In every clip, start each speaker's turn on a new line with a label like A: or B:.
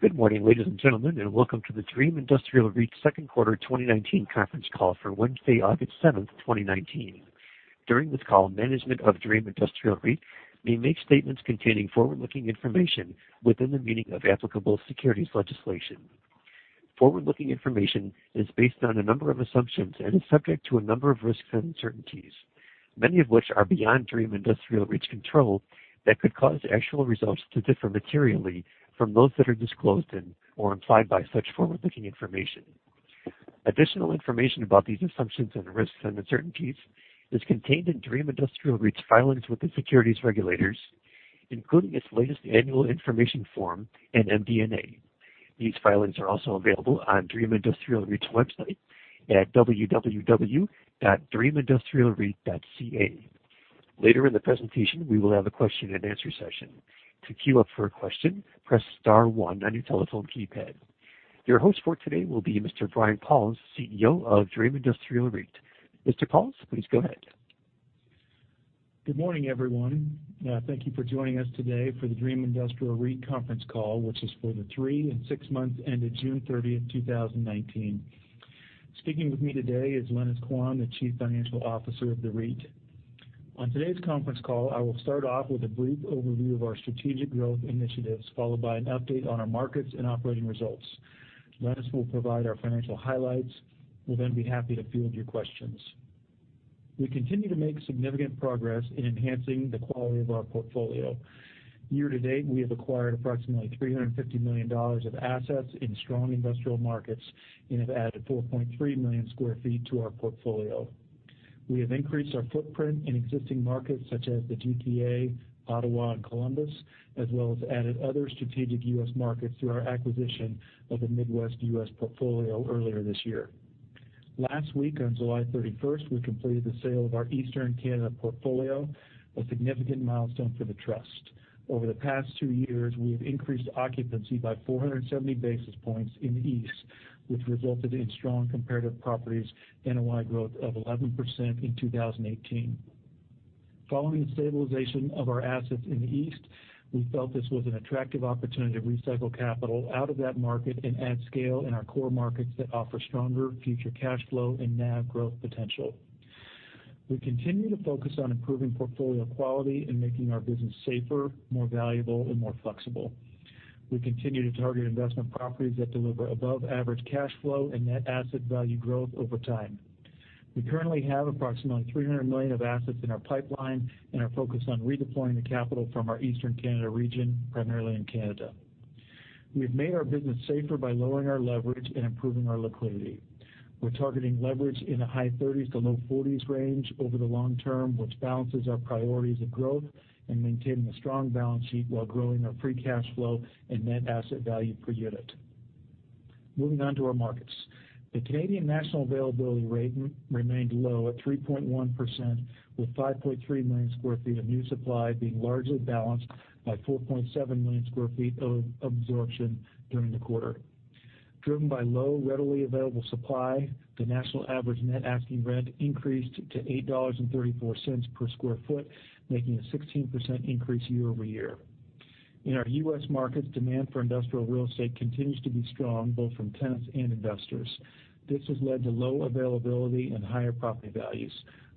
A: Good morning, ladies and gentlemen, and welcome to the Dream Industrial REIT second quarter 2019 conference call for Wednesday, August 7, 2019. During this call, management of Dream Industrial REIT may make statements containing forward-looking information within the meaning of applicable securities legislation. Forward-looking information is based on a number of assumptions and is subject to a number of risks and uncertainties, many of which are beyond Dream Industrial REIT's control that could cause actual results to differ materially from those that are disclosed in or implied by such forward-looking information. Additional information about these assumptions and risks and uncertainties is contained in Dream Industrial REIT's filings with the securities regulators, including its latest annual information form and MD&A. These filings are also available on Dream Industrial REIT's website at www.dreamindustrialreit.ca. Later in the presentation, we will have a question and answer session. To queue up for a question, press star one on your telephone keypad. Your host for today will be Mr. Brian Pauls, CEO of Dream Industrial REIT. Mr. Pauls, please go ahead.
B: Good morning, everyone. Thank you for joining us today for the Dream Industrial REIT conference call, which is for the three and six months ended June 30, 2019. Speaking with me today is Lenis Quan, the Chief Financial Officer of the REIT. On today's conference call, I will start off with a brief overview of our strategic growth initiatives, followed by an update on our markets and operating results. Lenis will provide our financial highlights. We'll then be happy to field your questions. We continue to make significant progress in enhancing the quality of our portfolio. Year to date, we have acquired approximately 350 million dollars of assets in strong industrial markets and have added 4.3 million sq ft to our portfolio. We have increased our footprint in existing markets such as the GTA, Ottawa, and Columbus, as well as added other strategic U.S. markets through our acquisition of the Midwest U.S. portfolio earlier this year. Last week, on July 31st, we completed the sale of our Eastern Canada portfolio, a significant milestone for the trust. Over the past two years, we have increased occupancy by 470 basis points in the East, which resulted in strong comparative properties NOI growth of 11% in 2018. Following the stabilization of our assets in the East, we felt this was an attractive opportunity to recycle capital out of that market and add scale in our core markets that offer stronger future cash flow and NAV growth potential. We continue to focus on improving portfolio quality and making our business safer, more valuable, and more flexible. We continue to target investment properties that deliver above-average cash flow and net asset value growth over time. We currently have approximately 300 million of assets in our pipeline and are focused on redeploying the capital from our Eastern Canada region, primarily in Canada. We've made our business safer by lowering our leverage and improving our liquidity. We're targeting leverage in the high 30s to low 40s range over the long term, which balances our priorities of growth and maintaining a strong balance sheet while growing our free cash flow and net asset value per unit. Moving on to our markets. The Canadian national availability rate remained low at 3.1%, with 5.3 million sq ft of new supply being largely balanced by 4.7 million sq ft of absorption during the quarter. Driven by low, readily available supply, the national average net asking rent increased to 8.34 dollars per sq ft, making a 16% increase year-over-year. In our U.S. markets, demand for industrial real estate continues to be strong, both from tenants and investors. This has led to low availability and higher property values.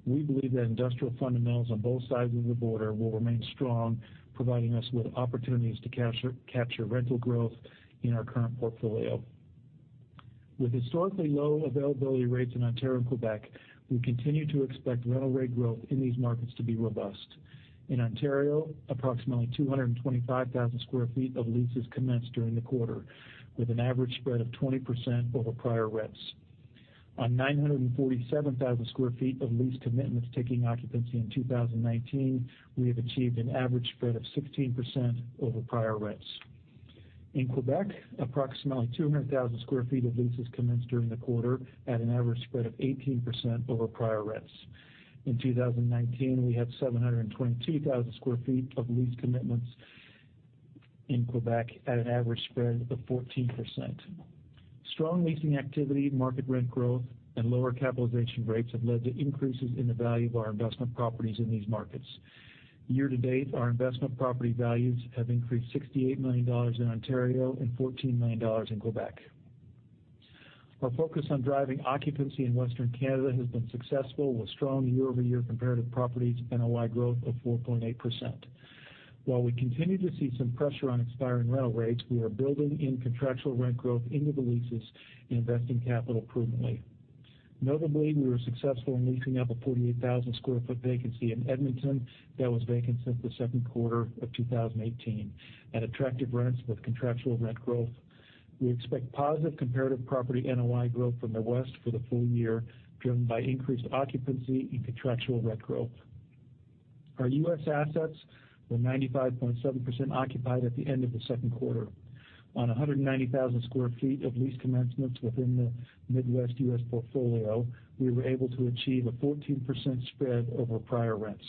B: We believe that industrial fundamentals on both sides of the border will remain strong, providing us with opportunities to capture rental growth in our current portfolio. With historically low availability rates in Ontario and Quebec, we continue to expect rental rate growth in these markets to be robust. In Ontario, approximately 225,000 sq ft of leases commenced during the quarter, with an average spread of 20% over prior rents. On 947,000 sq ft of lease commitments taking occupancy in 2019, we have achieved an average spread of 16% over prior rents. In Quebec, approximately 200,000 square feet of leases commenced during the quarter at an average spread of 18% over prior rents. In 2019, we have 722,000 square feet of lease commitments in Quebec at an average spread of 14%. Strong leasing activity, market rent growth, and lower capitalization rates have led to increases in the value of our investment properties in these markets. Year to date, our investment property values have increased 68 million dollars in Ontario and 14 million dollars in Quebec. Our focus on driving occupancy in Western Canada has been successful with strong year-over-year comparative properties NOI growth of 4.8%. While we continue to see some pressure on expiring rental rates, we are building in contractual rent growth into the leases and investing capital prudently. Notably, we were successful in leasing up a 48,000 sq ft vacancy in Edmonton that was vacant since the second quarter of 2018 at attractive rents with contractual rent growth. We expect positive comparative property NOI growth from the West for the full year, driven by increased occupancy and contractual rent growth. Our U.S. assets were 95.7% occupied at the end of the second quarter. On 190,000 sq ft of lease commencements within the Midwest US portfolio, we were able to achieve a 14% spread over prior rents.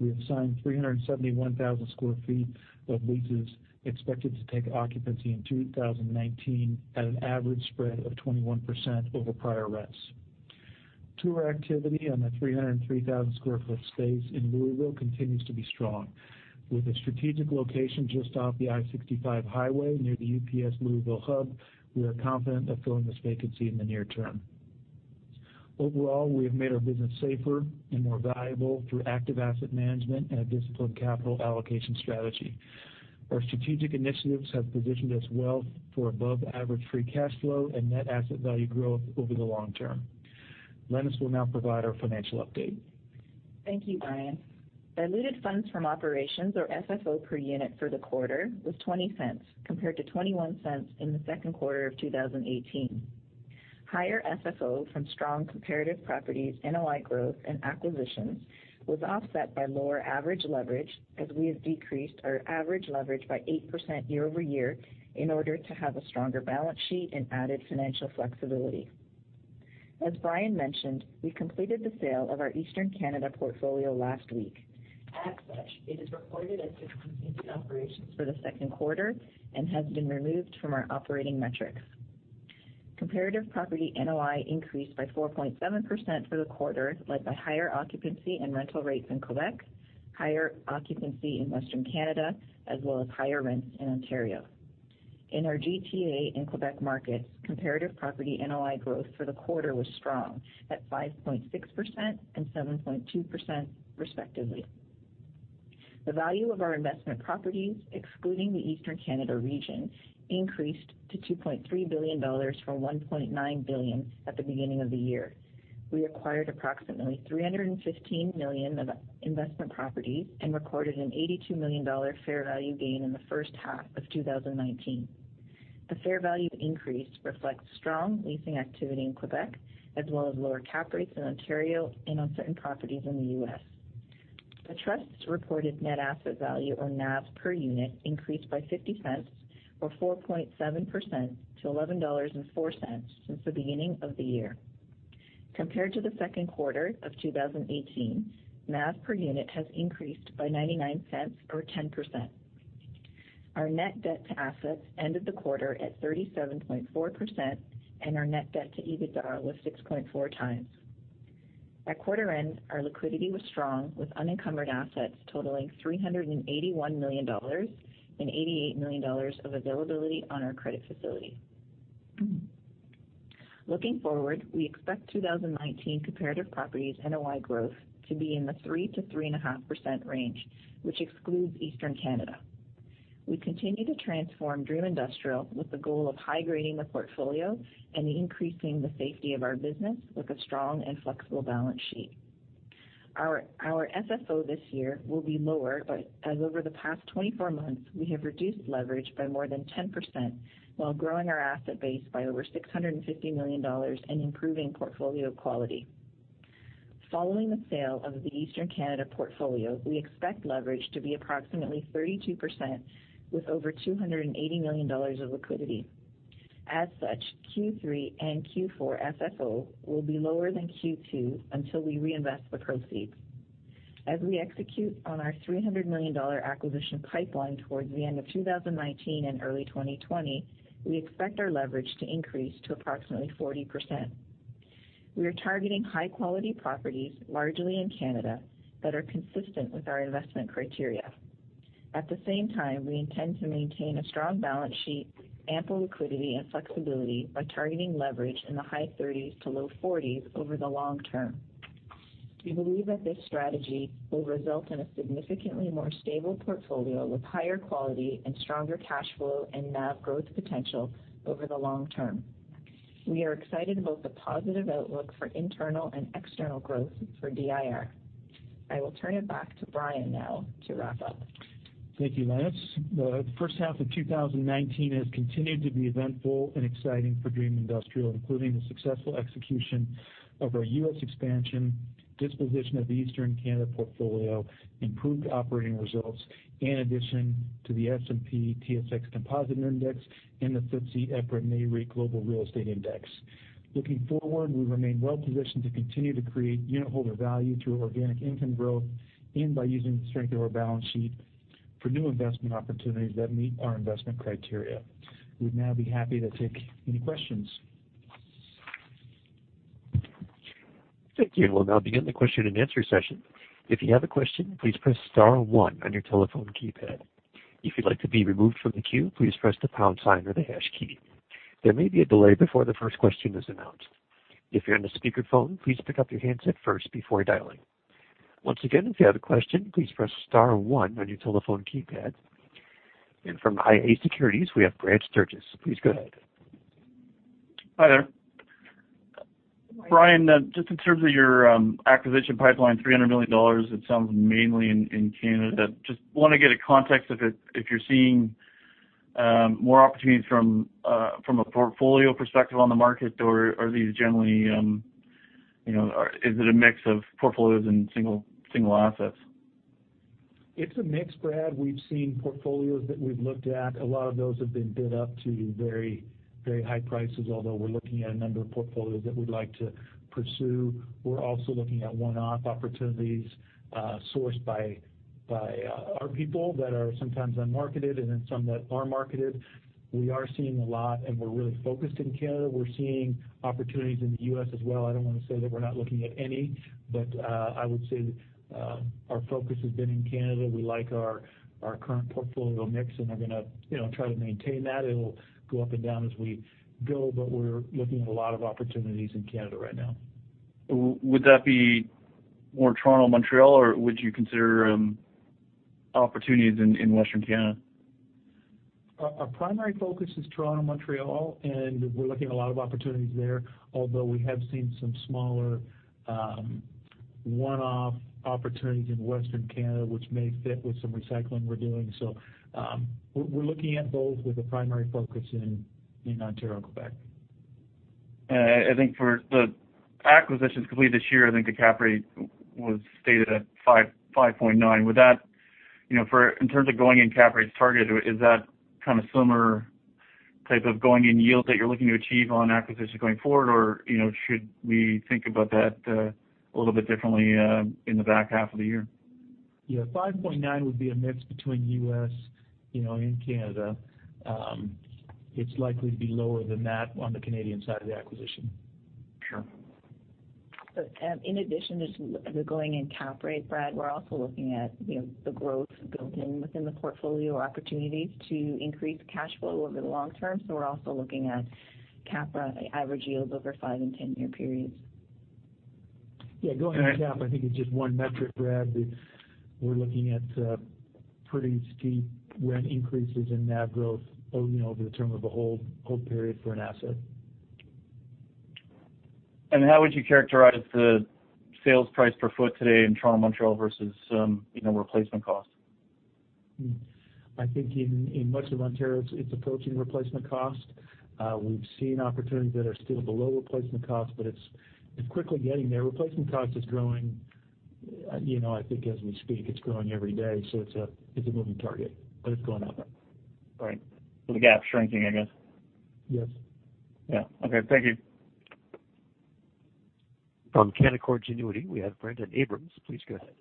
B: We have signed 371,000 sq ft of leases expected to take occupancy in 2019 at an average spread of 21% over prior rents. Tour activity on the 303,000 sq ft space in Louisville continues to be strong. With a strategic location just off the I-65 highway near the UPS Louisville hub, we are confident of filling this vacancy in the near term. Overall, we have made our business safer and more valuable through active asset management and a disciplined capital allocation strategy. Our strategic initiatives have positioned us well for above-average free cash flow and net asset value growth over the long term. Lenis will now provide our financial update.
C: Thank you, Brian. Diluted funds from operations, or FFO per unit for the quarter was 0.20 compared to 0.21 in the second quarter of 2018. Higher FFO from strong comparative properties, NOI growth, and acquisitions was offset by lower average leverage, as we have decreased our average leverage by 8% year-over-year in order to have a stronger balance sheet and added financial flexibility. As Brian mentioned, we completed the sale of our Eastern Canada portfolio last week. As such, it is reported as discontinued operations for the second quarter and has been removed from our operating metrics. Comparative property NOI increased by 4.7% for the quarter, led by higher occupancy and rental rates in Quebec, higher occupancy in Western Canada, as well as higher rents in Ontario. In our GTA and Quebec markets, comparative property NOI growth for the quarter was strong, at 5.6% and 7.2%, respectively. The value of our investment properties, excluding the Eastern Canada region, increased to 2.3 billion dollars from 1.9 billion at the beginning of the year. We acquired approximately 315 million of investment properties and recorded an 82 million dollar fair value gain in the first half of 2019. The fair value increase reflects strong leasing activity in Quebec, as well as lower cap rates in Ontario and on certain properties in the U.S. The Trust's reported net asset value, or NAV per unit, increased by 0.50 or 4.7% to 11.04 dollars since the beginning of the year. Compared to the second quarter of 2018, NAV per unit has increased by 0.99 or 10%. Our net debt to assets ended the quarter at 37.4%, and our net debt to EBITDA was 6.4 times. At quarter end, our liquidity was strong with unencumbered assets totaling 381 million dollars and 88 million dollars of availability on our credit facility. Looking forward, we expect 2019 comparative properties NOI growth to be in the 3%-3.5% range, which excludes Eastern Canada. We continue to transform Dream Industrial with the goal of high-grading the portfolio and increasing the safety of our business with a strong and flexible balance sheet. Our FFO this year will be lower, as over the past 24 months, we have reduced leverage by more than 10% while growing our asset base by over 650 million dollars and improving portfolio quality. Following the sale of the Eastern Canada portfolio, we expect leverage to be approximately 32% with over 280 million dollars of liquidity. As such, Q3 and Q4 FFO will be lower than Q2 until we reinvest the proceeds. As we execute on our 300 million dollar acquisition pipeline towards the end of 2019 and early 2020, we expect our leverage to increase to approximately 40%. We are targeting high-quality properties, largely in Canada, that are consistent with our investment criteria. At the same time, we intend to maintain a strong balance sheet, ample liquidity, and flexibility by targeting leverage in the high 30s to low 40s over the long term. We believe that this strategy will result in a significantly more stable portfolio with higher quality and stronger cash flow and NAV growth potential over the long term. We are excited about the positive outlook for internal and external growth for DIR. I will turn it back to Brian now to wrap up.
B: Thank you, Lenis. The first half of 2019 has continued to be eventful and exciting for Dream Industrial, including the successful execution of our U.S. expansion, disposition of the Eastern Canada portfolio, improved operating results, and addition to the S&P/TSX Composite Index and the FTSE EPRA Nareit Global Real Estate Index. Looking forward, we remain well-positioned to continue to create unitholder value through organic income growth and by using the strength of our balance sheet for new investment opportunities that meet our investment criteria. We'd now be happy to take any questions.
A: Thank you. We'll now begin the question and answer session. If you have a question, please press star one on your telephone keypad. If you'd like to be removed from the queue, please press the pound sign or the hash key. There may be a delay before the first question is announced. If you're on a speakerphone, please pick up your handset first before dialing. Once again, if you have a question, please press star one on your telephone keypad. From iA Securities, we have Brad Sturges. Please go ahead.
D: Hi there. Brian, just in terms of your acquisition pipeline, CAD 300 million, it sounds mainly in Canada. Just want to get a context if you're seeing more opportunities from a portfolio perspective on the market, or is it a mix of portfolios and single assets?
B: It's a mix, Brad. We've seen portfolios that we've looked at. A lot of those have been bid up to very high prices, although we're looking at a number of portfolios that we'd like to pursue. We're also looking at one-off opportunities sourced by our people that are sometimes unmarketed, and then some that are marketed. We are seeing a lot, and we're really focused in Canada. We're seeing opportunities in the U.S. as well. I don't want to say that we're not looking at any, but I would say our focus has been in Canada. We like our current portfolio mix, and we're going to try to maintain that. It'll go up and down as we go, but we're looking at a lot of opportunities in Canada right now.
D: Would that be more Toronto, Montreal, or would you consider opportunities in Western Canada?
B: Our primary focus is Toronto, Montreal, and we're looking at a lot of opportunities there. Although, we have seen some smaller one-off opportunities in Western Canada, which may fit with some recycling we're doing. We're looking at both with the primary focus in Ontario and Quebec.
D: I think for the acquisitions completed this year, I think the cap rate was stated at 5.9%. In terms of going in cap rates target, is that kind of similar type of going in yield that you're looking to achieve on acquisitions going forward? Or should we think about that a little bit differently in the back half of the year?
B: Yeah, 5.9 would be a mix between U.S. and Canada. It's likely to be lower than that on the Canadian side of the acquisition.
D: Sure.
C: In addition to the going-in cap rate, Brad, we're also looking at the growth built in within the portfolio opportunities to increase cash flow over the long term. We're also looking at cap rate average yields over five and 10-year periods.
B: Yeah. Going in cap, I think, is just one metric, Brad. We're looking at pretty steep rent increases in NAV growth over the term of the whole hold period for an asset.
D: How would you characterize the sales price per foot today in Toronto, Montreal versus replacement cost?
B: I think in much of Ontario, it's approaching replacement cost. We've seen opportunities that are still below replacement cost, but it's quickly getting there. Replacement cost is growing. I think as we speak, it's growing every day. It's a moving target. It's going up.
D: Right. The gap's shrinking, I guess.
B: Yes.
D: Yeah. Okay. Thank you.
A: From Canaccord Genuity, we have Brendan Abrams. Please go ahead.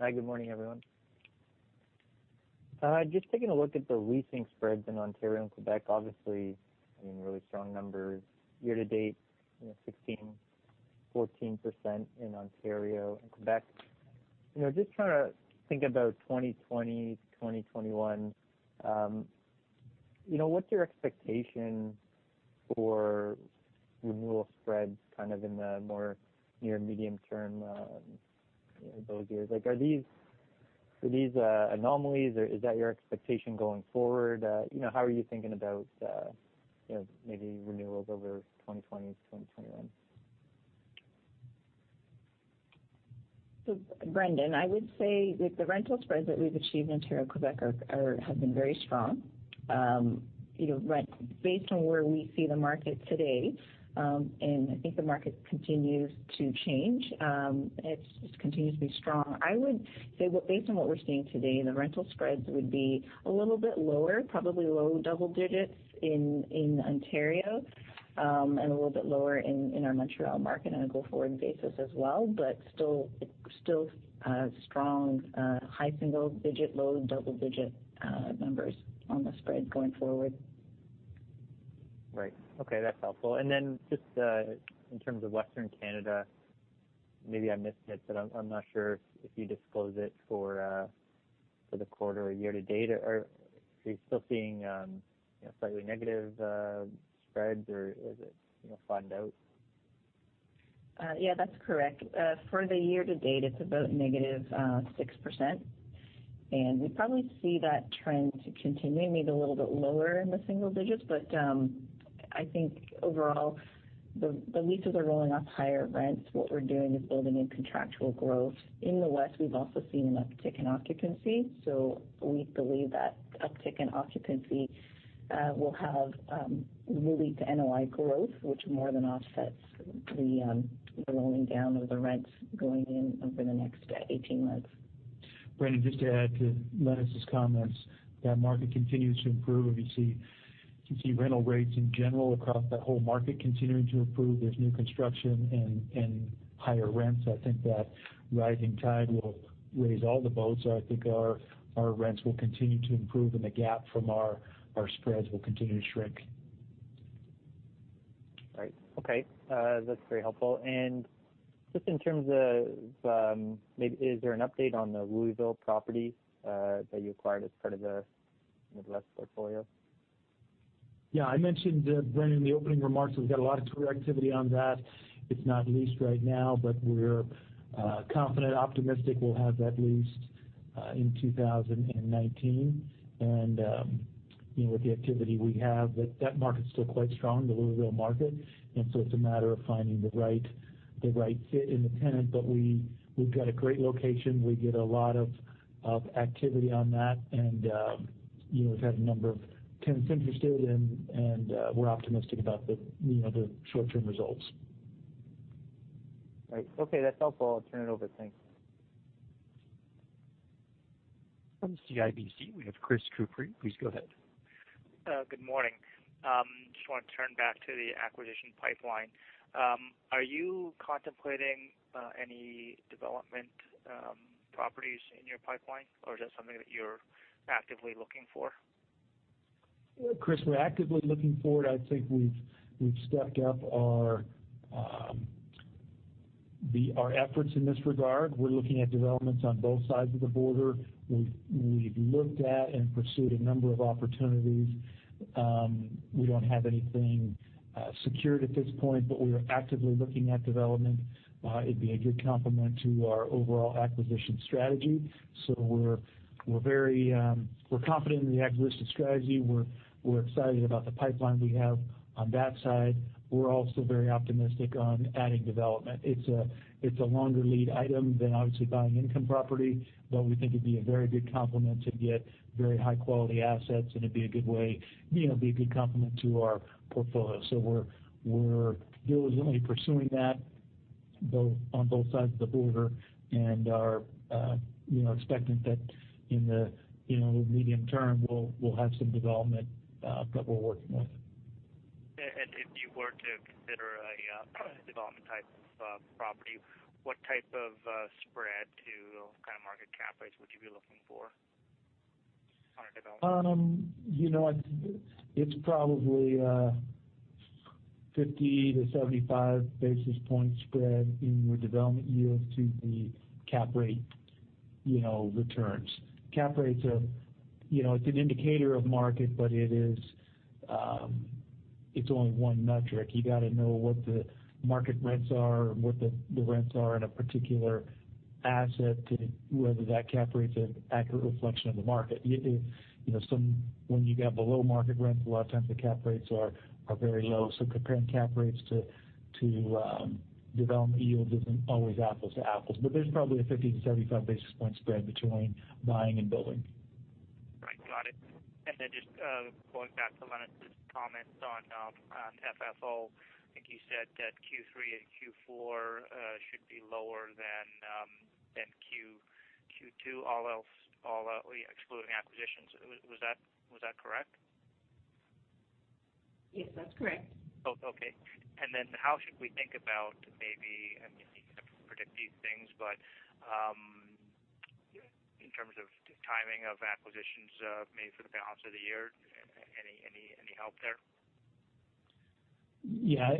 E: Hi, good morning, everyone. Just taking a look at the leasing spreads in Ontario and Quebec, obviously, really strong numbers year to date, 16%, 14% in Ontario and Quebec. Just trying to think about 2020, 2021. What's your expectation for renewal spreads kind of in the more near medium-term those years? Are these anomalies or is that your expectation going forward? How are you thinking about maybe renewals over 2020 to 2021?
C: Brendan, I would say the rental spreads that we've achieved in Ontario, Quebec have been very strong. Based on where we see the market today, and I think the market continues to change. It continues to be strong. I would say based on what we're seeing today, the rental spreads would be a little bit lower, probably low double digits in Ontario, and a little bit lower in our Montreal market on a go-forward basis as well, but still strong high single digit, low double-digit numbers on the spread going forward.
E: Right. Okay, that's helpful. Just in terms of Western Canada, maybe I missed it, but I'm not sure if you disclosed it for the quarter or year to date. Are you still seeing slightly negative spreads or is it flattened out?
C: Yeah, that's correct. For the year to date, it's about negative 6%. We probably see that trend to continue, maybe a little bit lower in the single digits. I think overall the leases are rolling off higher rents. What we're doing is building in contractual growth. In the West, we've also seen an uptick in occupancy. We believe that uptick in occupancy will lead to NOI growth, which more than offsets the rolling down of the rents going in over the next 18 months.
B: Brendon, just to add to Lenis' comments, that market continues to improve. We see rental rates in general across that whole market continuing to improve. There's new construction and higher rents. I think that rising tide will raise all the boats. I think our rents will continue to improve and the gap from our spreads will continue to shrink.
E: Right. Okay. That's very helpful. Just in terms of maybe, is there an update on the Louisville property that you acquired as part of the Midwest portfolio?
B: Yeah, I mentioned, Brendon, in the opening remarks, we've got a lot of tour activity on that. It's not leased right now, but we're confident, optimistic we'll have that leased in 2019. With the activity we have, that market's still quite strong, the Louisville market. It's a matter of finding the right fit in the tenant. We've got a great location. We get a lot of activity on that, and we've had a number of tenants interested, and we're optimistic about the short-term results.
E: Right. Okay, that's helpful. I'll turn it over. Thanks.
A: From CIBC, we have Chris Couprie. Please go ahead.
F: Good morning. Just want to turn back to the acquisition pipeline. Are you contemplating any development properties in your pipeline, or is that something that you're actively looking for?
B: Chris, we're actively looking for it. I think we've stepped up Our efforts in this regard, we're looking at developments on both sides of the border. We've looked at and pursued a number of opportunities. We don't have anything secured at this point, but we are actively looking at development. It'd be a good complement to our overall acquisition strategy. We're confident in the acquisition strategy. We're excited about the pipeline we have on that side. We're also very optimistic on adding development. It's a longer lead item than obviously buying income property, but we think it'd be a very good complement to get very high-quality assets, and it'd be a good complement to our portfolio. We're diligently pursuing that on both sides of the border and are expectant that in the medium term, we'll have some development that we're working on.
F: If you were to consider a development type of property, what type of spread to kind of market cap rates would you be looking for on a development?
B: It's probably a 50 to 75 basis point spread in your development yield to the cap rate returns. Cap rate's an indicator of market. It's only one metric. You got to know what the market rents are and what the rents are in a particular asset to whether that cap rate's an accurate reflection of the market. When you got below-market rents, a lot of times the cap rates are very low. Comparing cap rates to development yields isn't always apples to apples. There's probably a 50 to 75 basis point spread between buying and building.
F: Right. Got it. Just going back to Lenis' comments on FFO, I think you said that Q3 and Q4 should be lower than Q2, excluding acquisitions. Was that correct?
C: Yes, that's correct.
F: Oh, okay. How should we think about maybe, I mean, you can't predict these things, but in terms of timing of acquisitions maybe for the balance of the year, any help there?
B: Yeah.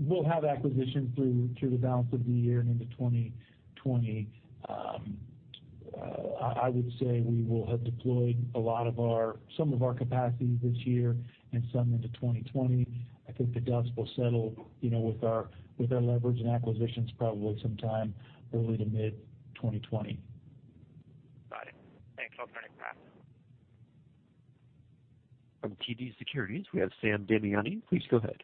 B: We'll have acquisitions through the balance of the year and into 2020. I would say we will have deployed some of our capacity this year and some into 2020. I think the dust will settle with our leverage and acquisitions probably sometime early to mid-2020.
F: Got it. Thanks. I'll turn it back.
A: From TD Securities, we have Sam Damiani. Please go ahead.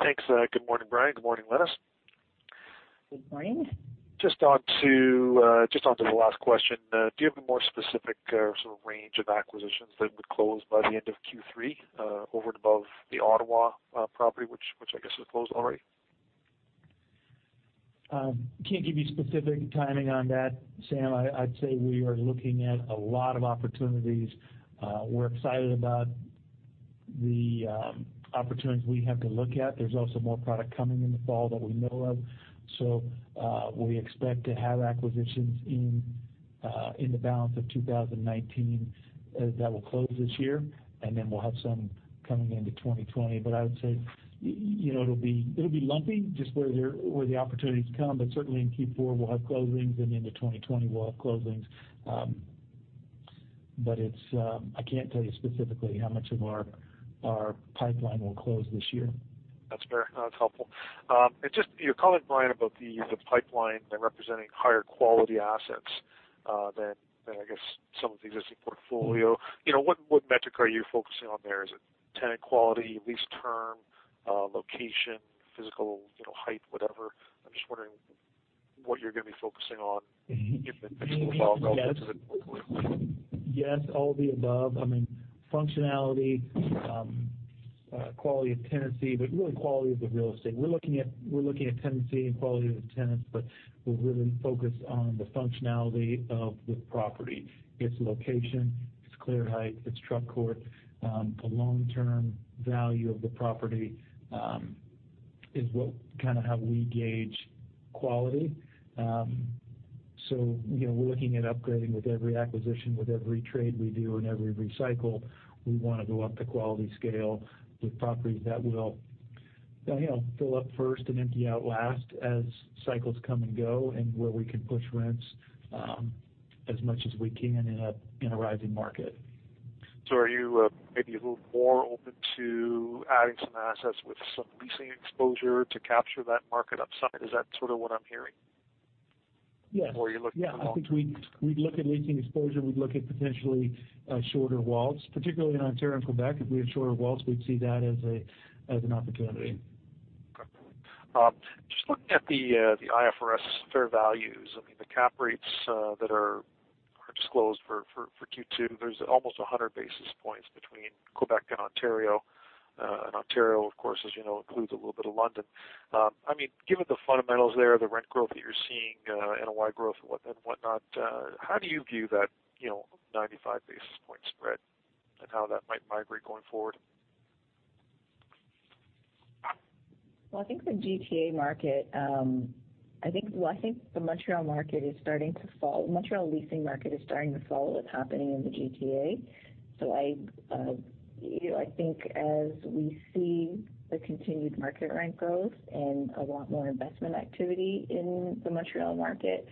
G: Thanks. Good morning, Brian. Good morning, Lenis.
C: Good morning.
G: Just onto the last question. Do you have a more specific sort of range of acquisitions that would close by the end of Q3 over and above the Ottawa property, which I guess is closed already?
B: Can't give you specific timing on that, Sam. I'd say we are looking at a lot of opportunities. We're excited about the opportunities we have to look at. There's also more product coming in the fall that we know of. We expect to have acquisitions in the balance of 2019 that will close this year, and then we'll have some coming into 2020. I would say it'll be lumpy just where the opportunities come. Certainly in Q4 we'll have closings, and into 2020 we'll have closings. I can't tell you specifically how much of our pipeline will close this year.
G: That's fair. No, that's helpful. Just your comment, Brian, about the pipeline and representing higher quality assets than, I guess, some of the existing portfolio. What metric are you focusing on there? Is it tenant quality, lease term, location, physical height, whatever? I'm just wondering what you're going to be focusing on in the next little while relative to the portfolio.
B: Yes, all of the above. I mean, functionality, quality of tenancy, but really quality of the real estate. We're looking at tenancy and quality of the tenants, but we're really focused on the functionality of the property, its location, its clear height, its truck court. The long-term value of the property is kind of how we gauge quality. We're looking at upgrading with every acquisition, with every trade we do, and every recycle. We want to go up the quality scale with properties that will fill up first and empty out last as cycles come and go, and where we can push rents as much as we can in a rising market.
G: Are you maybe a little more open to adding some assets with some leasing exposure to capture that market upside? Is that sort of what I’m hearing?
B: Yes.
G: Are you looking for long-term?
B: Yeah, I think we'd look at leasing exposure. We'd look at potentially shorter walls, particularly in Ontario and Quebec. If we had shorter walls, we'd see that as an opportunity.
G: Okay. Just looking at the IFRS fair values, I mean, the cap rates that are disclosed for Q2, there's almost 100 basis points between Quebec and Ontario. Ontario, of course, as you know, includes a little bit of London. Given the fundamentals there, the rent growth that you're seeing, NOI growth, and whatnot, how do you view that 95 basis point spread, and how that might migrate going forward?
C: Well, I think the Montreal leasing market is starting to follow what's happening in the GTA. I think as we see the continued market rent growth and a lot more investment activity in the Montreal market,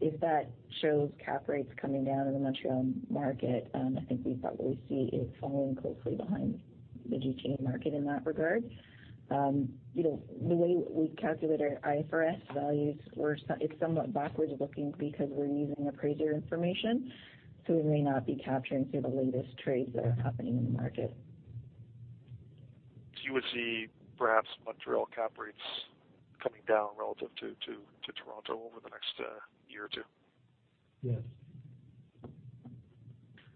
C: if that shows cap rates coming down in the Montreal market, I think we'd probably see it following closely behind the GTA market in that regard. The way we calculate our IFRS values, it's somewhat backwards-looking because we're using appraiser information, so we may not be capturing the latest trades that are happening in the market.
G: You would see perhaps Montreal cap rates coming down relative to Toronto over the next year or two?
B: Yes.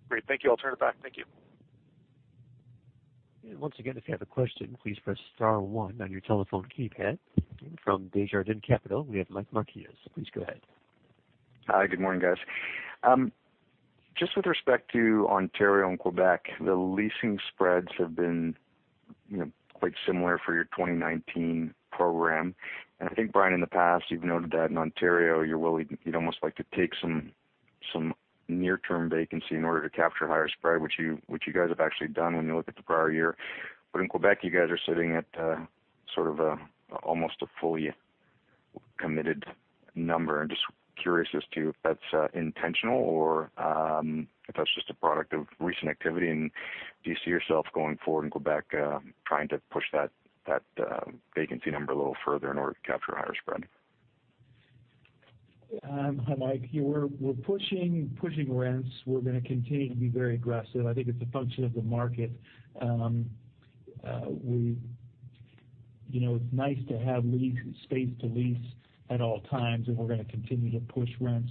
G: Great. Thank you. I'll turn it back. Thank you.
A: Once again, if you have a question, please press star one on your telephone keypad. From Desjardins Securities, we have Michael Markidis. Please go ahead.
H: Hi, good morning, guys. Just with respect to Ontario and Quebec, the leasing spreads have been quite similar for your 2019 program. I think, Brian, in the past you've noted that in Ontario, you'd almost like to take some near-term vacancy in order to capture higher spread, which you guys have actually done when you look at the prior year. In Quebec, you guys are sitting at sort of almost a fully committed number. I'm just curious as to if that's intentional or if that's just a product of recent activity. Do you see yourself going forward in Quebec trying to push that vacancy number a little further in order to capture a higher spread?
B: Hi, Mike. We're pushing rents. We're going to continue to be very aggressive. I think it's a function of the market. It's nice to have space to lease at all times, and we're going to continue to push rents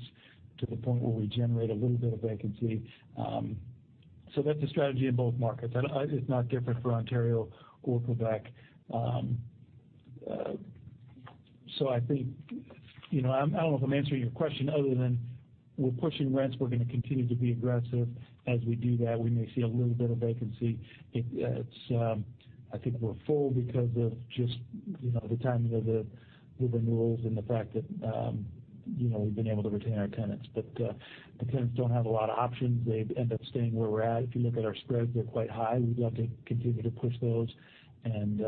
B: to the point where we generate a little bit of vacancy. That's the strategy in both markets. It's not different for Ontario or Quebec. I don't know if I'm answering your question, other than we're pushing rents. We're going to continue to be aggressive. As we do that, we may see a little bit of vacancy. I think we're full because of just the timing of the renewals and the fact that we've been able to retain our tenants. The tenants don't have a lot of options. They end up staying where we're at. If you look at our spreads, they're quite high. We'd love to continue to push those and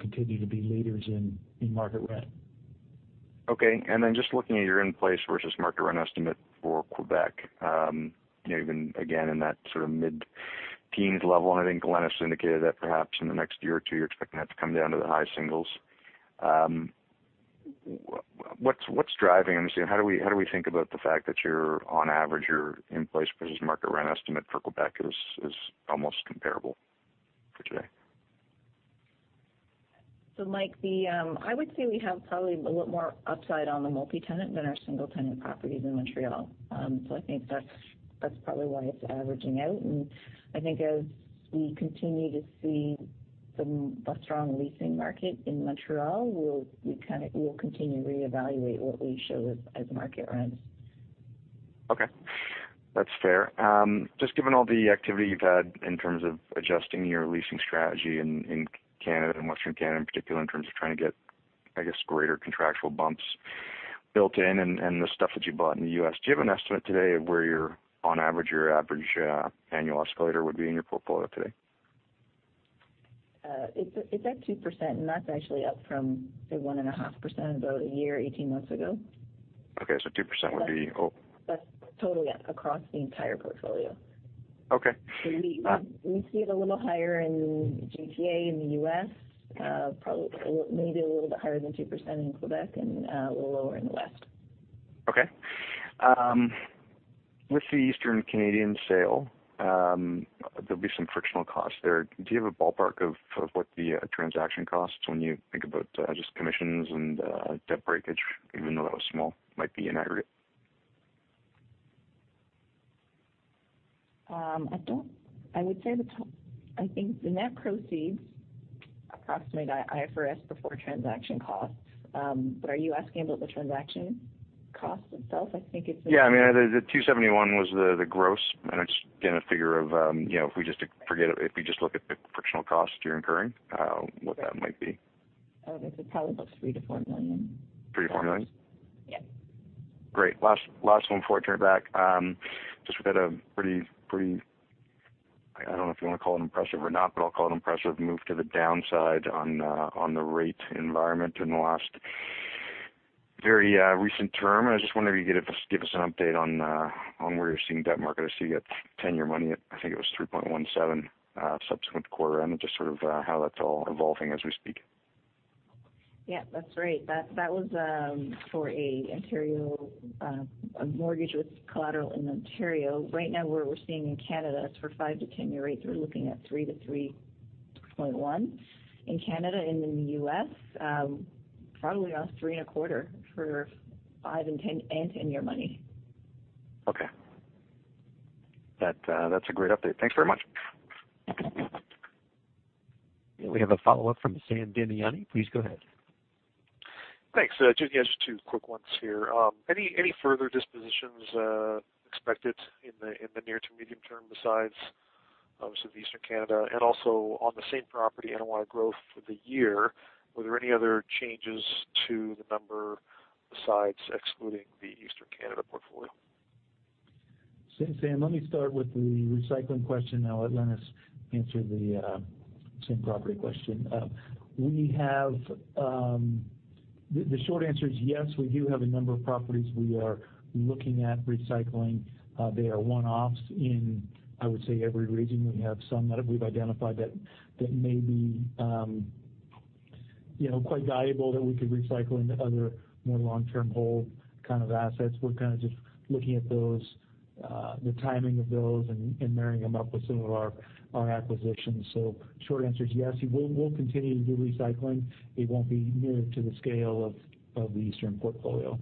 B: continue to be leaders in market rent.
H: Okay. Then just looking at your in-place versus market rent estimate for Quebec, even again in that sort of mid-teens level, and I think Lenis indicated that perhaps in the next year or two, you're expecting that to come down to the high singles. What's driving this? How do we think about the fact that on average, your in-place versus market rent estimate for Quebec is almost comparable for today?
C: Mike, I would say we have probably a lot more upside on the multi-tenant than our single-tenant properties in Montreal. I think that's probably why it's averaging out. I think as we continue to see the strong leasing market in Montreal, we'll continue to reevaluate what we show as market rents.
H: Okay, that's fair. Just given all the activity you've had in terms of adjusting your leasing strategy in Canada and Western Canada in particular, in terms of trying to get, I guess, greater contractual bumps built in and the stuff that you bought in the U.S. Do you have an estimate today of where on average your average annual escalator would be in your portfolio today?
C: It's at 2%, and that's actually up from, say, 1.5% about a year, 18 months ago.
H: Okay, 2% would be.
C: That's totally across the entire portfolio.
H: Okay.
C: We see it a little higher in GTA, in the U.S., maybe a little bit higher than 2% in Quebec, and a little lower in the West.
H: Okay. With the Eastern Canadian sale, there'll be some frictional costs there. Do you have a ballpark of what the transaction costs when you think about just commissions and debt breakage, even though that was small, might be in aggregate?
C: I think the net proceeds approximate IFRS before transaction costs. Are you asking about the transaction cost itself?
H: Yeah. The 271 was the gross, I'm just getting a figure of, if we just look at the frictional costs you're incurring, what that might be.
C: It's probably about 3 million-4 million.
H: 3 million-4 million?
C: Yeah.
H: Great. Last one before I turn it back. Just we've had a pretty, I don't know if you want to call it impressive or not, but I'll call it impressive move to the downside on the rate environment in the last very recent term. I just wonder if you could give us an update on where you're seeing debt market. I see you got 10-year money at, I think it was 3.17 subsequent quarter-end, and just sort of how that's all evolving as we speak.
C: Yeah. That's right. That was for a mortgage with collateral in Ontario. Right now, where we're seeing in Canada is for five- to 10-year rates, we're looking at 3%-3.1%. In Canada and in the U.S., probably around 3.25% for five- and 10-year money.
H: Okay. That's a great update. Thanks very much.
A: We have a follow-up from Sam Damiani. Please go ahead.
G: Thanks. Just, yes, two quick ones here. Any further dispositions expected in the near to medium term besides, obviously, the Eastern Canada? Also, on the same property NOI growth for the year, were there any other changes to the number besides excluding the Eastern Canada portfolio?
B: Sam, let me start with the recycling question. I'll let Lenis answer the same property question. The short answer is yes, we do have a number of properties we are looking at recycling. They are one-offs in, I would say, every region. We have some that we've identified that may be quite valuable that we could recycle into other more long-term hold kind of assets. We're kind of just looking at those, the timing of those, and marrying them up with some of our acquisitions. Short answer is yes, we'll continue to do recycling. It won't be near to the scale of the Eastern portfolio.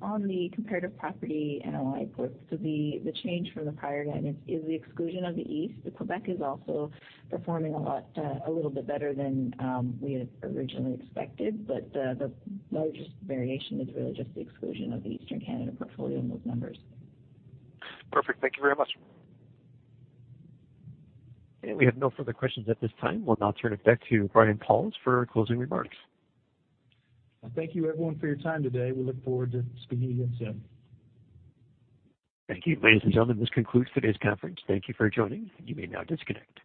C: On the comparative property NOI, the change from the prior guidance is the exclusion of the East. Quebec is also performing a little bit better than we had originally expected. The largest variation is really just the exclusion of the Eastern Canada portfolio in those numbers.
G: Perfect. Thank you very much.
A: We have no further questions at this time. We'll now turn it back to Brian Pauls for closing remarks.
B: Thank you everyone for your time today. We look forward to speaking again soon.
A: Thank you. Ladies and gentlemen, this concludes today's conference. Thank you for joining. You may now disconnect.